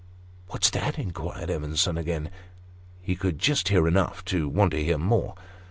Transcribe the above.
"What's that?" inquired Evenson again. He could just hear enough to want to hear more.